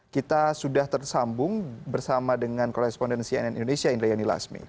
kita sudah tersambung bersama dengan korespondensi nn indonesia indra yani laksmi